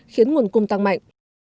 khiến nguồn cung tăng mạnh